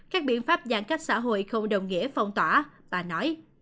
các biện pháp giãn cách xã hội không đồng nghĩa phong tỏa bà nói